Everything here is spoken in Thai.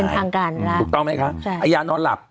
เป็นทางการถูกต้องไหมคะไอ้ยานอนหลับ